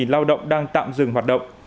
một trăm ba mươi lao động đang tạm dừng hoạt động